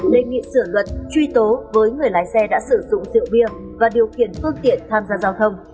đề nghị sửa luật truy tố với người lái xe đã sử dụng rượu bia và điều khiển phương tiện tham gia giao thông